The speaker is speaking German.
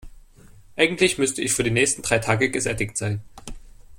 Eigentlich müsste ich für die nächsten drei Tage gesättigt sein.